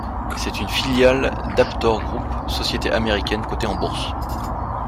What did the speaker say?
C'est une filiale d'Aptar Group, société américaine cotée en bourse.